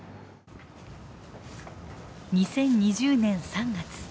２０２０年３月。